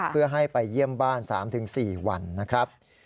เพื่อให้ไปเยี่ยมบ้าน๓๔วันนะครับ